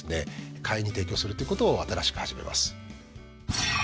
会員に提供するということを新しく始めます。